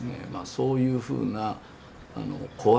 そういうふうな